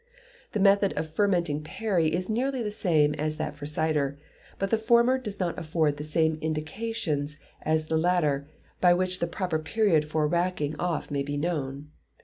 The method of fermenting perry is nearly the same as that for cider; but the former does not afford the same indications as the latter by which the proper period of racking off may be known.